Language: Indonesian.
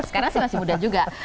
sekarang sih masih muda juga